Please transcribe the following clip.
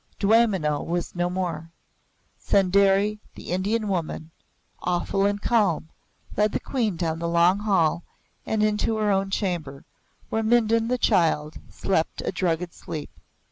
Dwaymenau was no more. Sundari, the Indian woman, awful and calm, led the Queen down the long ball and into her own chamber, where Mindon, the child, slept a drugged sleep.